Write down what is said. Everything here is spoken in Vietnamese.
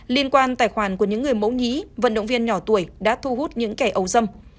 liên quan tài khoản của những người mẫu nhí vận động viên nhỏ tuổi đã thu hút những kẻ ấu dâm